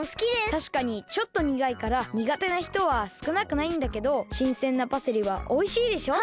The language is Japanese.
たしかにちょっとにがいからにがてなひとはすくなくないんだけどしんせんなパセリはおいしいでしょ？